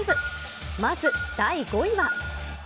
まず、第５位は。